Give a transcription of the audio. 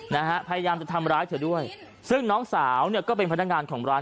นะฮะพยายามจะทำร้ายเธอด้วยซึ่งน้องสาวเนี่ยก็เป็นพนักงานของร้าน